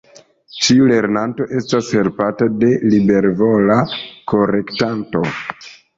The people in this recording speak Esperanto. Ĉiu lernanto estas helpata de libervola korektanto.